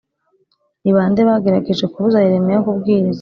Ni ba nde bagerageje kubuza yeremiya kubwiriza